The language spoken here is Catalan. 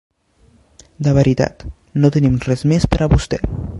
De veritat, no tenim res més per a vostè.